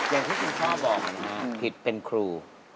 อย่างที่กินชอบบอกนะผิดเป็นครู